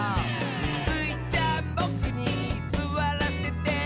「スイちゃんボクにすわらせて？」